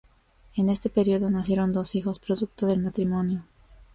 En este período nacieron dos hijos producto del matrimonio.